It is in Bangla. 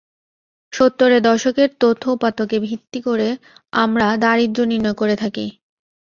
সত্তরের দশকের তথ্য উপাত্তকে ভিত্তি ধরে আমরা দারিদ্র্য নির্ণয় করে থাকি।